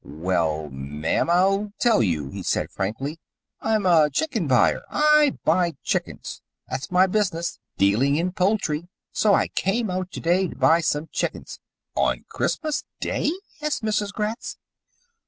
"Well, ma'am, I'll tell you," he said frankly. "I'm a chicken buyer. I buy chickens. That's my business dealin' in poultry so I came out to day to buy some chickens " "On Christmas Day?" asked Mrs. Gratz.